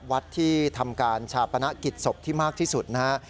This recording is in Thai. วัดที่ทำการชาปนกิจศพที่มากที่สุดนะฮะ